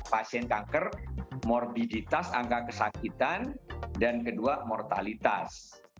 pasien kanker morbiditas angka kesakitan dan kedua mortalitas